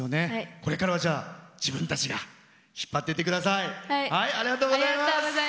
これからは自分たちが引っ張ってってください。